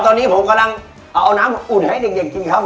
ตอนนี้ผมกำลังเอาน้ำอุ่นให้เด็กกินครับผม